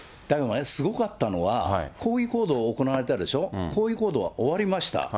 すごかったのは、抗議行動が行われたでしょう、抗議行動は終わりました。